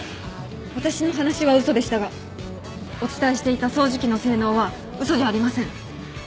私の話は嘘でしたがお伝えしていた掃除機の性能は嘘じゃありません。